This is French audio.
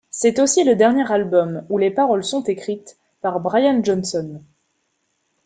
C'est aussi le dernier album où les paroles sont écrites par Brian Johnson.